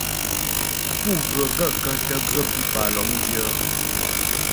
Pú ghə̀ gaə̂kə́ tə ghə́ pípà lɔ́mdyə́ ?